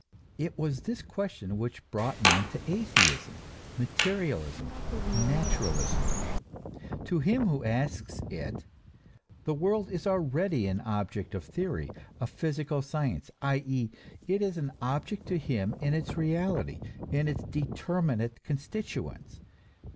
It was this question which brought man to atheism, materialism, naturalism. To him who asks it, the world is already an object of theory, of physical science, i. e., it is an object to him in its reality, in its determinate constituents.